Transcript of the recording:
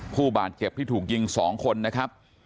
ผู้บาดเจ็บที่ถูกยิง๒คนนะครับ